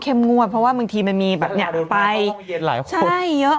งวดเพราะว่าบางทีมันมีแบบเนี่ยไปหลายคนใช่เยอะ